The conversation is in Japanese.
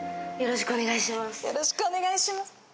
よろしくお願いします。